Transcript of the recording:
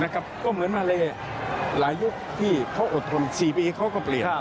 ก็เหมือนมาเลหลายยุคที่เขาอดทน๔ปีเขาก็เปลี่ยน